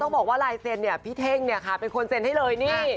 บอกว่าลายเซ็นต์เนี่ยพี่เท่งเนี่ยค่ะเป็นคนเซ็นให้เลยนี่